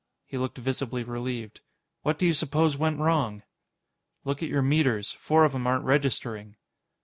He looked visibly relieved. "What do you suppose went wrong?" "Look at your meters. Four of 'em aren't registering."